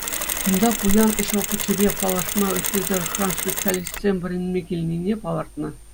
Кунта пуян ӗҫ опычӗпе паллашма ытти тӑрӑхран специалистсем вӗренме килнине палӑртнӑ.